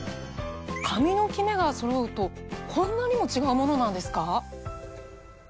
髪のキメがそろうとこんなにも違うものなんですか？